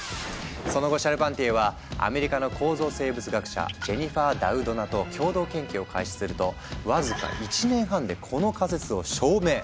その後シャルパンティエはアメリカの構造生物学者ジェニファー・ダウドナと共同研究を開始するとわずか１年半でこの仮説を証明。